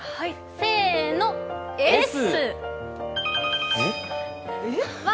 せーの、Ｓ。